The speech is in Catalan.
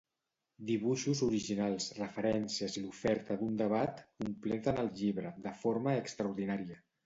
Dibuixos originals, referències i l'oferta d'un debat completen el llibre, de forma extraordinària.